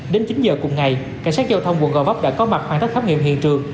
đến chín giờ cùng ngày cảnh sát giao thông quận gò vấp đã có mặt hoàn tất khám nghiệm hiện trường